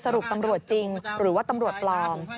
สรุปตำรวจจริงหรือว่าตำรวจปลอม